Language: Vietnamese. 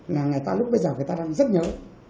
là người ta lúc bây giờ người ta đang rất nhớ